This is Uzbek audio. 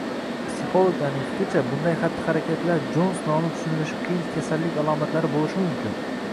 Psixologlarning fikricha, bunday xatti-harakatlar Djosg nomli tushunilishi qiyin kasallik alomatlari bo‘lishi mumkin.